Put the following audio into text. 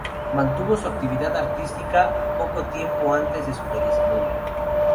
Mantuvo su actividad artística hasta poco tiempo antes de su fallecimiento.